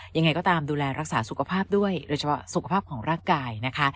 ยังไงก็ตามดูแลรักษาสุขภาพด้วยโดยเฉพาะสุขภาพของร่างกายนะคะ